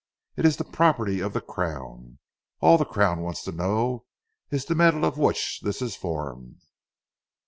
It is the property of the Crown. All the Crown wants to know is the metal of which this is formed."